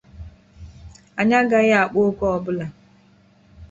anyị anaghị akpa oké ọ bụla